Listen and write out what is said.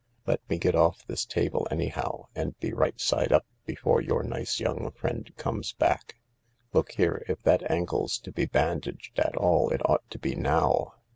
Let me get off this table, anyhow, and be right side up before your nice young friend comes back. Look here, if that ankle's to be bandaged at all it ought to be now.